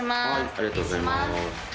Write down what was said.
ありがとうございます。